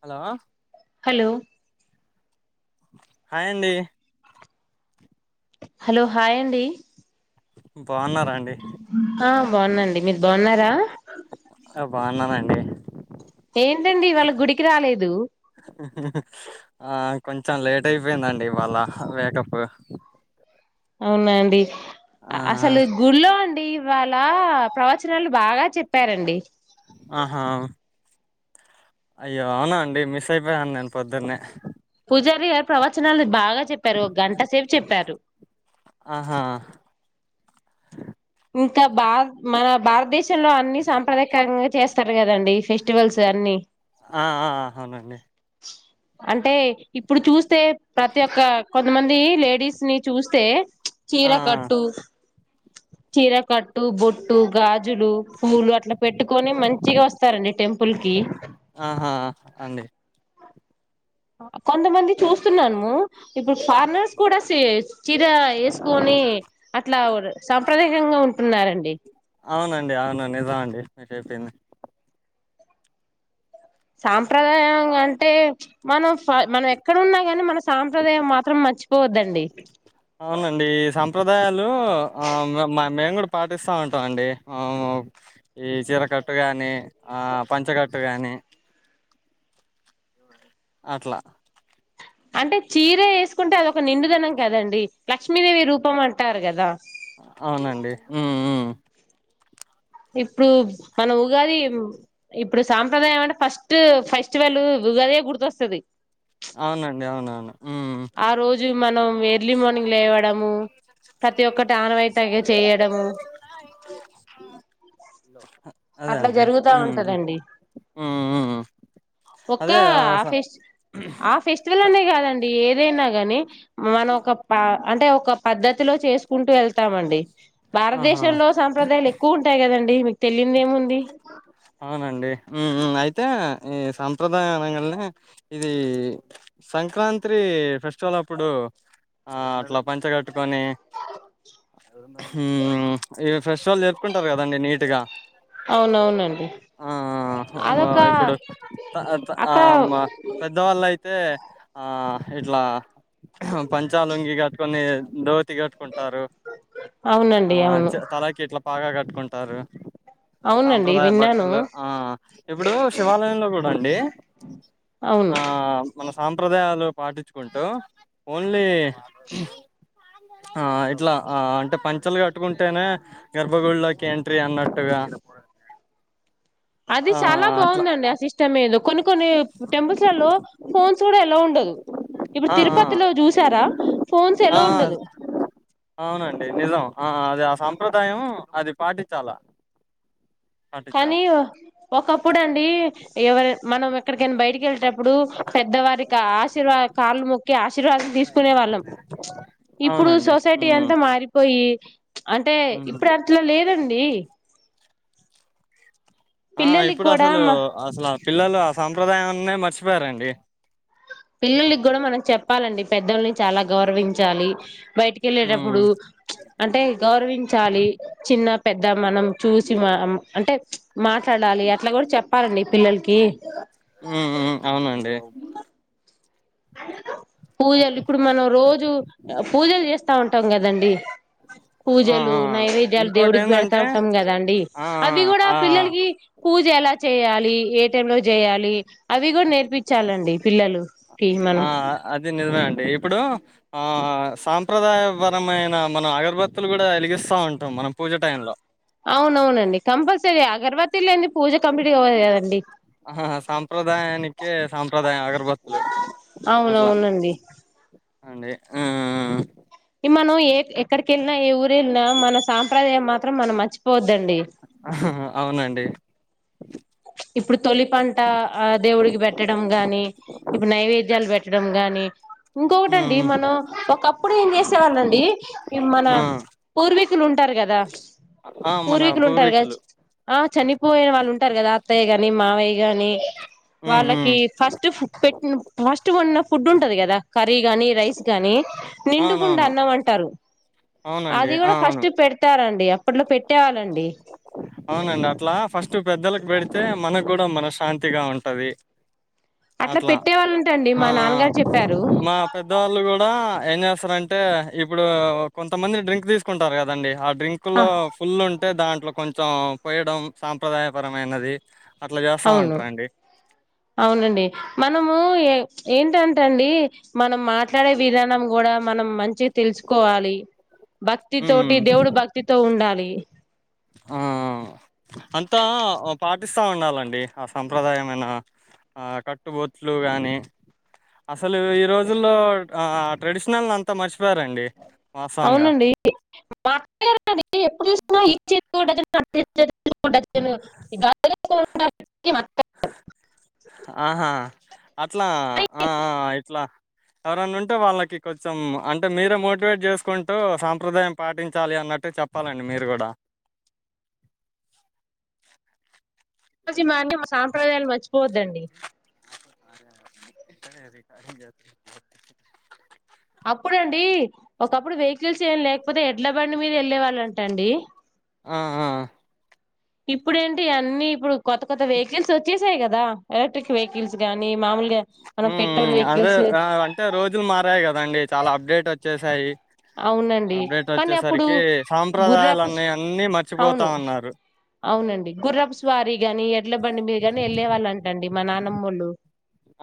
Hello hello hi అండి. Hello hi అండి. ఉమ్ బాగున్నారాండి. బావునండి మీరు బాగున్నారా. బాగున్నానండీ. ఏంటండి ఇవాళ గుడికి రాలేదు. ఆ కొంచెం లేట్ అయిపోయిందండి ఇవాళ వేకప్ప్. అవునాండి. అసలు గుళ్ళో అన్. డి ఇవాళ ప్రవచనాలు బాగా. చెప్పారండి. ఆహా అయ్యో అవునా అండి, మిస్ అయిపోయాను నేను పొద్దునే. పూజారి గారు ప్రవచనాలు బాగ్. బాగా చెప్పారు, ఒక గంట సేపు చెప్పారు. ఆహా. అ ఇంకా బాగ్ మన భారతదేశంలో అన్ని సాంప్రదాయకంగా చేస్తారు కదండి, ఫెస్టివల్స్ అన్నీ. ఆ ఆ అవునండి. అంటే ఇప్పుడు చూస్తే. ప్రతి ఒక్క. కొంతమంది లేడీస్ ని చూస్తే. ఆ చీర కట్టు. చీర కట్టు, బొట్టు, గాజ్. గాజులు, పూలు అట్లా పెట్టుకొని మంచిగా వస్తారండి టెంపుల్ కి. ఆహా అండి కొంతమంది చూస్తున్నాము, ఇప్పుడు ఫారినర్స్ కూడా సి చీర ఏసుకొని, అట్లా ర్ సాంప్రదాయకంగా ఉంటున్నారండి. అవునండి, అవునండి, నిజం అండి మీరు చెప్పింది. సాంప్రదాయంగా అంటే మనం. ఫల్ మనం ఎక్కడన్నాగాని మన సాంప్రదాయం మాత్రం మంచ్. పోవద్దండి. అవునండి ఈ సాంప్రదాయాలు, ఆ మ మేము కూడా పాటిస్తా ఉంటాం అండి. ఊ ఈ చీరకట్టు గాని, ఆ పంచకట్టు గాని. అట్లా. అంటే చీర ఏసుకుంటే, అదొక నిండుదనం కదండి. లక్ష్మీదేవి రూపం అంటారు గాదా. అవునండి ఉమ్మ్ ఉమ్మ్. ఇప్పుడు మనం ఉగాది ఇప్పుడు సాంప్రదాయం అంటే, ఫస్ట్ ఫెస్టివల్ ఉగాదే గుర్తొస్తది. అవునండి అవునవును. ఆ రోజ్. అ స ప్రతి సయి ఒక్కటి ఆనవాయితగా చేయడము [unintelligible] లో. అదే అట్లా అండి, జరుగుతా ఉమ్మ్ ఉంటదండి ఉమ్మ్ ఉమ్మ్. ఒక్క ఆ ఫెస్టి ఆ ఫెస్టివల్ అనే కాదండి ఏదైనా కాని మనం ఒక ప అంటే ఒక పద్ధతిలో చేసుకుంటూ వెళ్తామండి. ఆహా! భారతదేశంలో సాంప్రదాయాలు ఎక్కువ ఉంటాయి కదం అ [unintelligible] ఔనండి మ్మ్ మ్మ్ అయితే ఈ సాంప్రదాయ అనంగానే ఇది సంక్రాంత్రి ఫెస్టివలప్పుడు ఆ అట్ల పంచగట్టుకొని హ్మ్ ఈ ఫెస్టివల్ జరుపు అవునవునండి ఆ మ అదొక ఇప్పుడు త త ఆ అక్కడ మ పెద్దవాళ్ళయితే ఆ ఇట్లా పంచాలుంగి కట్టుకోని దోతి కట్టుకుం టారు ఆ అవునండి అవును చ్ తలకిట్లా బాగా కట్టుకుంటారు. అవునండి సాంప్రదాయ విన్నాను బట్టలు ఆ ఇప్పుడు శివాలయంలో కూడా అండి అవును ఆ మన సాంప్రదాయాలు పాటించుకుంటూ ఓన్లీ ఆ ఇట్లా ఆ అంటె పంచలు కట్టుకుంటేనే గర్భగుళ్ళోకి ఎంట్రీ అన్నట్టుగా అది ఆ చాలా అట్లా బావుందండి ఆ సిస్టమ్ ఏదో కొన్ని కొన్ని టెంపుల్స్ లలో ఫోన్స్ కూడా ఎలవ్ ఉం ఉండదు ఇప్పుడు ఆ ఆ తిరుపతిలో చూసారా ఫోన్స్ ఎలవ్ ఉండదు. ఔనండి నిజం ఆ అది ఆ సంప్రదాయం అది పాటిచ్చాల. కానీ ఒ ఒకప్పుడండి ఎవరు మనం ఎక్కడికైనా బయటికి వెళ్లేటప్పుడు పెద్దవారికా ఆశీర్వాద్ కాలు మొక్కి ఆ శీర్వాదం తీసుకునే వాళ్ళం ఇప్పుడు అవునండి సొసైటీ ఉమ్ అంతా మారిపోయి అంటే ఉమ్ ఇప్పుడట్ల లేదం ఈ ఆ ఇప్పుడు కూడా అసలు మా అసల పిల్లలు ఆ సాంప్రదాయాన్నే మర్చిపోయారండి. పిల్లలకి గూడా మనం చెప్ ప్పాలండి పెద్దల్ని చాలా గౌరవించాలి. బయటికెళ్ళేటప్పుడు ఉమ్ అంటే గౌరవించాలి. చిన్న పెద్ద మనం చూసి మా అం అంటే మాట్లాడాలి అట్ల గూడ చెప్పాలండి పిల్లలకి మ్మ్ హ్మ్ ఔనండి [unintelligible] పూజలు ఇప్పుడు మనం రోజూ పూజలు చేస్తా ఉంటాం కదండి ఆ! పూజలు, ఆ! నైవేద్యాలు దేవుడికి పెడతా ఇంకోటేందంటే ఉంటాం కదండి ఆ! అవి కూడా ఆ! ఆ! పిల్లలకి పూజెలా చేయాలి. ఏ టైంలో జేయాలి అవి కూడా నేర్పిచ్చాలండి పిల్లలకి ఆ అదీ నిజమేనండి. ఇప్పుడు ఆ సాంప్రదాయపరమైన, మన అగరబత్తులు కూడా ఎలిగిస్తా ఉంటాం మనం పూజ టైమ్ల ఔనౌనండి కంపల్సరీ అగర్వత్తిలేంది పూజ కంప్లీట్ అవ్వదు కదండి. హహ సాంప్రదాయానికే సాంప్రదాయం అగరబత్తులు అట్ల అవునవునండి అండి ఉహ్ మనం ఎట్ ఎక్కడికి వెళ్ నిన్ ఎ ఓరు వెళ్ళిన మన సాంప్రదాయం మాత్రం మనం మర్చిపోవద్దండి. అవునండి ఇప్పుడు తొలి పంట ఆ దేవుడికి పెట్టడం చడం గాని హ్మ్. ఇంకొకటండి మనం ఒకప్పుడు ఏం చేసేవాళ్ళండి. ఈ మన హ్మ్. ఆ! పూర్వీకులు ఉంటారు కదా, ఆ! మన పూర్వీకులు ఉంటారు కదా ఆ చనిపోయే వాళ్ళు ఉంటారు కదా. అత్తాయ్య గాని మావయ్య గాని హ్మ్. వాళ్ళకి హ్మ్. ఫస్ట్ ఫ పెట్ ఫస్ట్ ఉన్న ఫుడ్ ఉంటంది కదా కర్రీ గాని రైస్ కానీ నిండు గుండా అవునవును. అన్నం అంటారు. అవునండి. అది ఆ! కూడా అవును. ఫస్ట్ పెడతారండి అప్పట్లో పెట్టేవాళ్ళండి అవునండి అట్లా ఫస్ట్ పెద్దలకు పెడితే మన కూడా మనశాంతిగా ఉంటది. అట్లా పెట్టేవాళ్ళంటండి ఆ మా ఆ నాన్నగారు చెప్పారు మా పెద్దవాళ్ళు కూడా ఏం చేస్తారంటే ఇప్పుడు కొంతమంది డ్రింక్ తీసుకుంటారు కదండి ఆ డ్రింక్ ఆ లో ఫుల్ ఉన్ దాంట్లో కొంచెం పోయడం సాంప్రదాయ పరమైనది. అవును అవునండి మనము ఏ ఏంటంట అండి మనం మాట్లాడే విధానం కూడా మనం మంచిద్ తెలుసుకోవాలి భక్తి ఉమ్, తోటి దేవుడు భక్తితో ఉండాలి. ఆ అంతా పాటిస్తా ఉండాలండి, ఆ సంంప్రదాయమైన ఆ కట్టుబొట్లు గానీ అసలు ఈ రోజుల్లో ఆ ట్రెడిషనల్ అంతా మర్చిపోయారండి. వాస్తవంగా అవునండి మాట్లాడి ఎప్పుడు చూసిన [unintelligible] [unintelligible] అ ఆహా అట్లా కానీ ఆ ఆ ఇట్లా ఎవరన్నా ఉంటే వాళ్ళకి కొంచెం అంటే మీరే మోటివేట్ చేసుకుంటూ సాంప్రదాయం పాటించాలి అన్నట్టు చెప్పాలండి, మీరు కూడా జూసి మా [unintelligible] సాంప్రదాయాలు మర్చిపోవద్దండి ఆ ఇక్కనే జూసి ఖాళీ చేత్తం అప్పుడండి ఒకప్పుడు వెహికల్స్ ఏం లేకపోతే ఎడ్ల బండి మీద వెళ్ళే వాళ్ళంట అండి. ఆ ఆ ఇప్పుడు ఏంటి అన్నీ ఇప్పుడు కొత్త కొత్త వెహికల్స్ వచ్చేసాయి కదా, ఎలక్ట్రిక్ వెహికల్స్ గానీ మామూలు ఉ మ్మ్ అదే అంటే రోజులు మారాయి కదండి చాలా అప్డేట్ వచ్చేసాయి అవునండి అప్డేట్ కానీ అప్పుడు వచ్చేసరికి గుర్రపుస్ సాంప్రదాయాలన్నీ అన్నీ అన్నీ మర్చిపోతా అవును ఉన్నారు అవునండి గుర్రపుస్వారి గాని ఎడ్ల బండి మీద గాని వెళ్ళే వాళ్ళంటండి మనా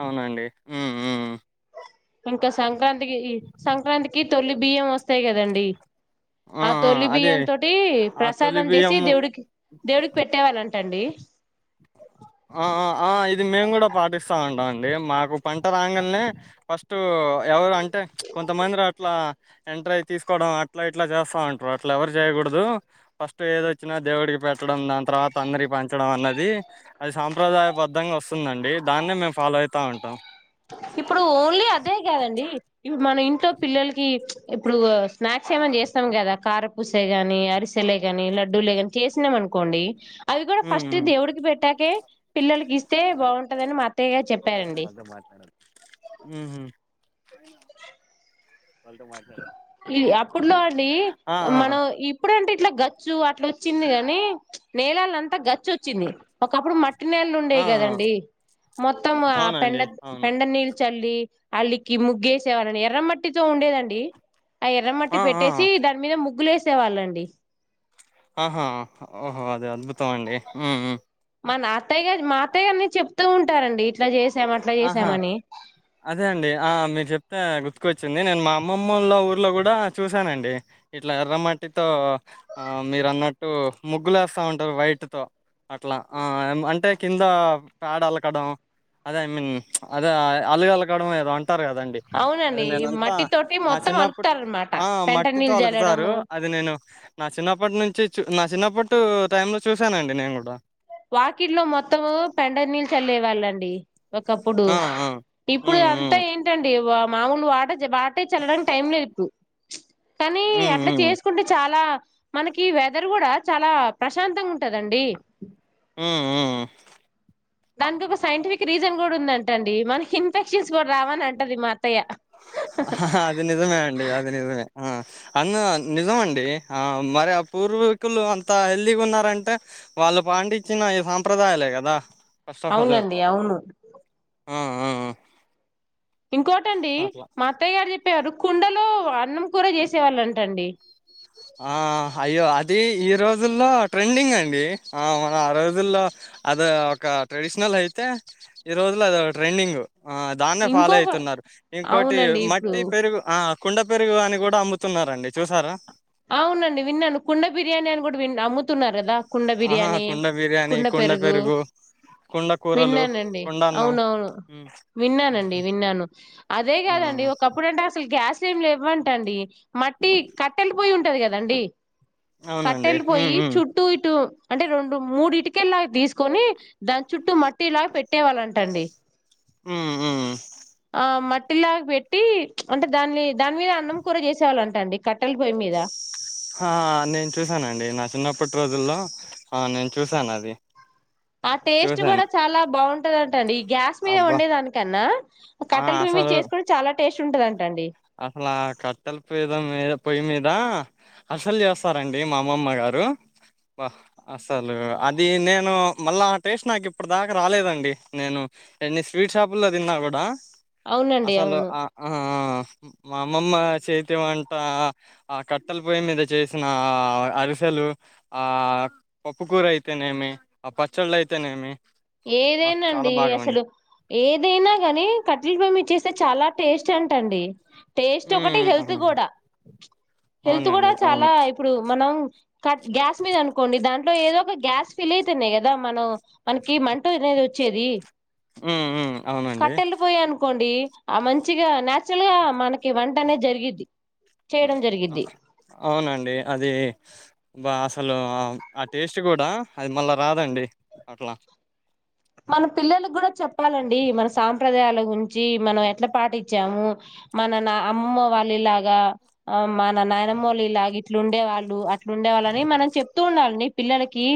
అవునండి హ్మ్ హ్మ్ ఇంకా సం సంక్రాంతి ఈ సంక్రాంతికి తొలి బియ్యం వస్తాయి కదండి ఆ తొలి బియ్యం తోటి ఆ ప్రసాదం జేసి తొలిబియ్యం దేవుడిక్ దేవుడికి పెట్టేవాళ్ళం టండి ఆ ఆ ఇది మేము కూడా పాటిస్తా ఉంటాం అండి, మాకు పంట రాగనే ఫస్ట్ ఎవరు అంటే ప్చ్ కొంతమందిర అట్లా ఎంటర్ అయి తీసుకోవడం అట్లా ఇట్లా చేస్తా ఉంటారు. అట్లా ఎవరు చేయకూడదు ఫస్ట్ ఏదొచ్చినా దేవుడికి పెట్టడం దాని తర్వాత అందరి పంచడం అన్నది. అది సాంప్రదాయబద్ధంగా వస్తుందండి దాన్నే మేము ఫాలో అయితా ఉంటాం ఇప్పుడు ఓన్లీ అదే కదండి ఇప్పుడు మన ఇంట్లో పిల్లలకి ప్చ్ ఇప్పుడు స్నాక్స్ ఏమైనా చేస్తాం కదా కార పూసే గాని అరిసెలే గాని లడ్డూలే కానీ చేసినాం అనుకోండి అవి కూడా ఫస్ట్ హ్మ్ దేవుడికి పెట్టాకే కె పిల్లలకి ఇస్తే బాగుంటందని మా అత్తయ్యగారు చెప్పారండి మ్మ్ హు ఇ అప్పుట్లో అండి ఆ ఆ మనం ఇప్పుడంటే అట్లా గచ్చు అట్లా వచ్చింది గాని ప్చ్ నేలల్లో అంత గచ్చు వచ్చింది ఒకప్పుడు మట్ ట్టి నేల్లు ఆ ఉండేయి ఆ, కదండి మొత్తం ఆ పెండ అవునండి అవును పెండ నీళ్ చల్లి అలికి ముగ్గేసేవాళ్ళని ఎర్రమట్టితో ఉండేదన్ డి ఆ ఎర్రమట్టి ఆ ఆ పెట్టేసి దాని మీద ముగ్గులు వేస్ వేసేవాళ్ళండి ఆహా ఓహో అద అద్భుతం అండి మా అత్తయ్య మాతయ్య అనే చెప్తూ ఉంటారండి ఇట్లా చే ఆహా అదే అండి ఆ మీరు చెప్ అతే గుర్తుకొచ్చింది నేను మా అమ్మమ్మల ఊర్లో కూడా చూశానండి ఇట్లా ఎర్రమట్టితో ఆ మీరు అన్నట్టు ముగ్గులు వేస్తా ఉంటారు వైట్తో అట్లా ఆ అంటే కింద పేడ అలకడం అదే ఐ మీన్ అదే అల్గల కాడద అంట ారు కదండి అది అవునండి నేనంతా మట్టి తోటి నా మొత్తం చిన్నప్పటి అలుకుతారనమాట ఆ పెంట మట్టితో నీళ్ళు అలుకుతారు జల్లడము అది నేను నా చిన్నప్పటి నుంచి చ నా చిన్నప్పట్ టై లో చూసానండి నేను కూడా వాకిట్లో మొత్తము పెండ నీళ్ళు చల్లే వాళ్ళండి ఒకప్పుడు ఆ ఆ ఇప్పుడు హ్మ్ అంతా హ్మ్ ఏంటండి వా మాములు వాట అ బటే చల్లడానికి టై లో ఇప్పు కానీ హ్మ్ అట్లా హ్మ్ చేసుకుంటే చాలా మనకి వెదర్ కూడా చాలా ప్రశాంతంగా ఉంటదండి ఆ దానికి ఒక సైంటిఫిక్ రీజన్ కూడా ఉందంటండి మనకి ఇన్ఫెక్షన్స్ కూడా రావని అంటది మా అత్తయ్య అది నిజమే అండి అది నిజమే ఆ అందు నిజం అండి ఆ మరి ఆ పూర్వీకులు అంత హెల్దీగా ఉన్నారంటే వాళ్ళు పాండించిన ఈ సాంప్రదాయాల కదా ఫస్ట్ ఆఫ్ ఆల్ అవునండి అవును ఆ ఆ ఇంకోటండి ఆ! అట్లా మా అత్తయ్య గారు చెప్పి చెప్పారు కుండలో అన్నం కూడా చేసేవాళ్ళంటండి ఆ అయ్యో అది ఈ రోజుల్లో ట్రెండింగ్ అండి ఆ మనం ఆ రోజుల్లో అది ఒక ట్రెడిషనల్ అయితే ఈ రోజుల్లో అద ట్రెండింగ్ ఆ దాన్నే ఫాలో ఇంకొక అయితున్నారు ఇంకోటి అవునండి ఇప్పుడు మట్టి పెరుగు ఆ కుండ పెరుగు అని కూడా అమ్ముతున్నారంండి చూసారా అవునండి విన్నాను కుండ బిర్యానీ అని కూడా వి అమ్ముతున్నారు కదా కుండ ఆహా బిర్యానీ కుండ బిర్యానీ కుండ పెరుగు కుండ కూరలు విన్నానండి కుండ అన్నం అవునవును మ్మ్ విన్నానండి విన్నాను అదే కాదండి ఒకప్పుడు అంటే అసలు గ్యాస్ ఇవ్వంటండి మట్టి క బట్టెళ్ళి పోయి ఉంటది కదండి అవునండి కట్టెలు మ్మ్ పోయి మ్మ్ చుట్టూ ఇటు అంటే రెండు మూడు ఇటుకేలు లాగా తీసుకొని దాని చుట్టూ మట్టిలాగా పెట్టే వాళ్ళంటండి ఉ ఆ మట్టిలా పెట్టి అంటే దాన్ని దాని మీద అన్నం కూడా చేసేవాళంటండి క అటల్ బయ్ మీద ఆ నేను చూసానండి నా చిన్నప్పటి రోజుల్లో ఆ నేను చూసాను అది ఆ టేస్ట్ చూసాను కూడా చాలా బాగుంటుంది ండి ఈ గ్యాస్ మీద అబ్బా ఉండేదానికన్నా ఆ కట్టలు రమి అసలు చేసుకో చాలా టేస్ ఉంటుదా అసలు ఆ కట్టెల పద మీద పొయ్యి మీద ఇ అసలు చేస్తారంండి మా అమ్మమ్మ గారు అసలు అది నేను మళ్ళా ఆ టేస్ట్ నాకు ఇప్పుడు దాకా రాలేదండి నేను ఎన్ని స్వీట్ షాపుల్లో తిన్నా కూడా అవునండి అసలు అవును ఆ ఆ మా అమ్మమ్మ చేతి వంట ఆ కట్టల పొయ్యి మీద చేసిన అరిసెలు ఆ పప్పుకూర అయితేనేమి ఆ పచ్చళ్ళు అయితేనేమి వా ఏదైనా చాలా అండి బాగాండి అసలు ఏదైనా గాని కట్టెల పోయ చేస్తే చాలా టేస్ట్ ట్ అండి టేస్ట్ ఒకటి ఉమ్ హెల్త్ అవునండి కూడా హెల్త్ కూడా అవునండి చాలా అవును ఇప్పుడు మనం కట్ గ్యాస్ మీద అనుకోండి దాంట్లో ఏదో ఒక గ్యాస్ ఫిల్ అవుతున్నాయి కదా మనం మన మంటనే ఉమ్ ఉమ్ అవునండి కట్టెళ్ళిపోయా అనుకోండి ఆ మంచిగా నాచురల్ గా మనకి వంట అనే జరిగిది అవునండి అది బా అసలు ఆ టేస్ట్ కూడా అది మళ్ళా రాదండి అట్లా మన పిల్లలకి కూడా చెప్పాలండి మన సాంప్రదాయాల గురించి మనం ఎట్లా పాటించాము మన నా అమ్మమ్మ వాళ్ళలాగా ఆ మన నాయనమ్మళలాగా ఇట్లు ఉండే వాళ్ళు ఇక్కడు ఉండేవాళ్ళని మనం చెప్తూ ఉండాలంని పిల్లలకి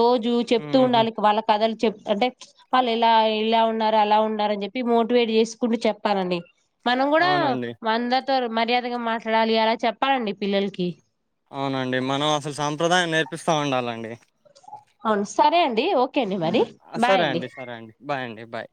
రోజు చెప్తూ ఉహు ఉండాలి వాళ్ళ కథలు చెప్పప్పు అంటే వాళ్ళు ఎలా ఇలా ఉన్నారు అలా ఉన్నార అని చెప్పి మోటివేట్ చేసుకుంటూ చెప్పానండి మనం కూడా అవునండి వంద మర్యాదగా మాట్లాడాలి అలా చెప్పాలండి పిల్లలకి అవునండి మనం అసలు సాంప్రదాయం నేర్పిస్తూ ఉండాలండి అవును సరే అండి ఓే సరే అండి సరే అండి బాయ్ అండి బాయ్